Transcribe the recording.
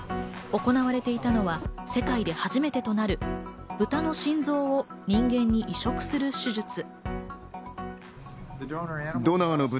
行われていたのは世界で初めてとなるブタの心臓を人間に移植する手術。